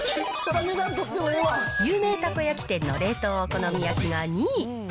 有名たこ焼き店の冷凍お好み焼きが２位。